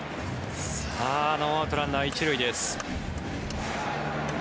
ノーアウト、ランナー１塁です。